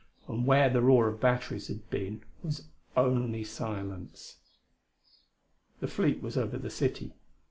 And where the roar of batteries had been was only silence. The fleet was over the city.